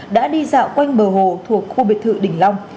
đã đi dạo quanh bờ hồ thuộc khu biệt thự đỉnh long